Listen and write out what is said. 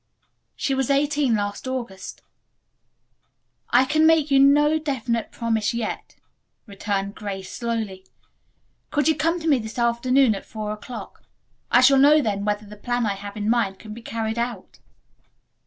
"She was eighteen last August." "I can make you no definite promise yet," returned Grace slowly. "Could you come to see me this afternoon at four o'clock? I shall know then whether the plan I have in mind can be carried out."